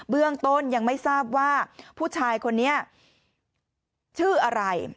เรื่องต้นยังไม่ทราบว่าผู้ชายคนนี้ชื่ออะไร